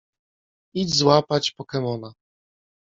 Idź złapać pokemona.